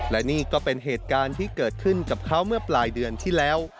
และนี่ก็เป็นเหตุการณ์ที่เกิดขึ้นกับเขาเมื่อปลายเดือนที่แล้ว